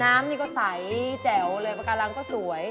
น้ำนี่ก็ใสแจ๋วเลยปากการังก็สวย